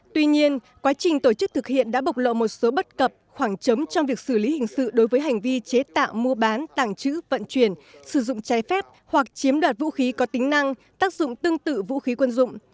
tuy nhiên quá trình tổ chức thực hiện đã bộc lộ một số bất cập khoảng chấm trong việc xử lý hình sự đối với hành vi chế tạo mua bán tàng trữ vận chuyển sử dụng trái phép hoặc chiếm đoạt vũ khí có tính năng tác dụng tương tự vũ khí quân dụng